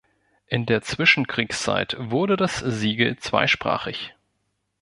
In der Zwischenkriegszeit wurde das Siegel zweisprachig.